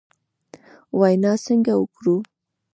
وینا څنګه وکړو ؟